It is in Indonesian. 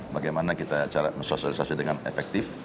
bagaimana cara kita sosialisasi dengan efektif